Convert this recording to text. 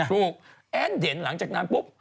แอ้นเด่นหลังจากนั้นปุ๊บ